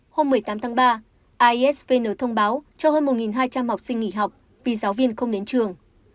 hôm một mươi tám tháng ba aisvn thông báo cho hơn một hai trăm linh học sinh nghỉ học vì giáo viên không đến trường